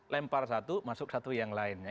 lempar satu masuk satu yang lainnya